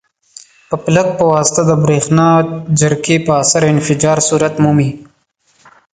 په پلک په واسطه د برېښنا جرقې په اثر انفجار صورت مومي.